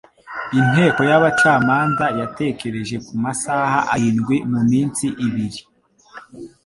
Inteko y'abacamanza yatekereje ku masaha arindwi mu minsi ibiri